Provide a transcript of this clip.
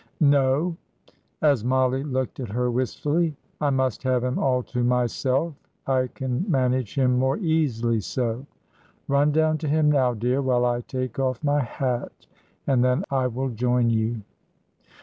No;" as Mollie looked at her wistfully. "I must have him all to myself; I can manage him more easily so. Run down to him now, dear, while I take off my hat, and then I will join you."